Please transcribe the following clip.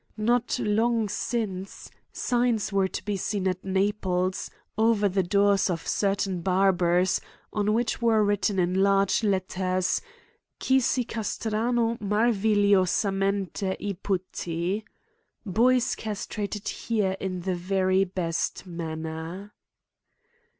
Not long since, signs were to be seen at Naples, over the doors of certain barbers, on which were writ ten in large letters Qui si castrano marivigliosa" mente iputti — Boys castrated here in the very best manner.